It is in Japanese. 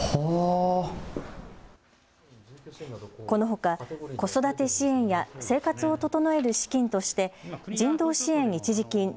このほか子育て支援や生活を整える資金として人道支援一時金